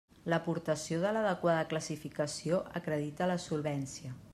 L'aportació de l'adequada classificació acredita la solvència.